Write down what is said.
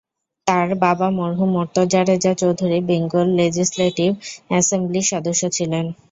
তাঁর বাবা মরহুম মোর্তজা রেজা চৌধুরী বেঙ্গল লেজিসলেটিভ অ্যাসেমব্লির সদস্য ছিলেন।